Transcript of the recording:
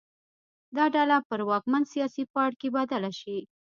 دا ډله پر واکمن سیاسي پاړکي بدله شي.